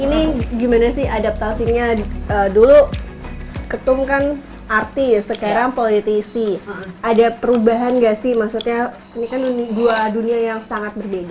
ini gimana sih adaptasinya dulu ketum kan artis sekarang politisi ada perubahan gak sih maksudnya ini kan dua dunia yang sangat berbeda